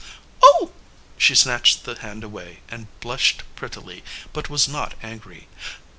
"Oh!" She snatched the hand away and blushed prettily, but was not angry.